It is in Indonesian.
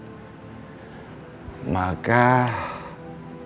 apabila dia bisa menjawab pertanyaan